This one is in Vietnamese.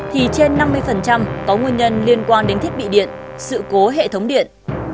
thì trên năm mươi có nguyên nhân liên quan đến thiết bị điện sự cố hệ thống điện